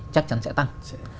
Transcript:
chắc chắn sẽ tăng